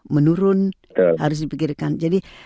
menurun harus dipikirkan jadi